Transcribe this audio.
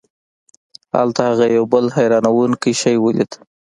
هلته هغه یو بل حیرانوونکی شی ولید.